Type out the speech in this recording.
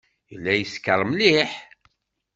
Yella yeskeṛ mliḥ.